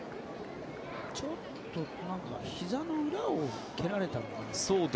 ちょっとひざの裏を蹴られたのかな。